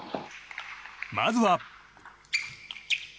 まずは。